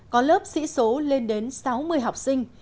có lớp sĩ số lên đến sáu mươi học sinh